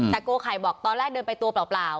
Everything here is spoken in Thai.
แต่โกไข่บอกตอนแรกเดินไปตัวเปล่า